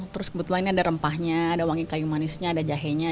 terus kebetulan ini ada rempahnya ada wangi kayu manisnya ada jahenya